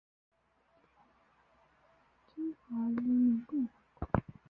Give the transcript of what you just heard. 浉河区是中华人民共和国河南省信阳市的中心和市辖区。